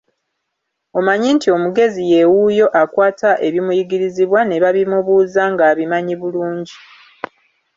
Omanyi nti omugezi ye wuuyo akwata ebimuyigirizibwa ne babimubuuza ng'abimanyi bulungi.